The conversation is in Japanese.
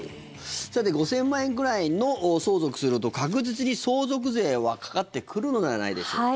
５０００万円くらいの相続をすると確実に相続税はかかってくるのではないでしょうか。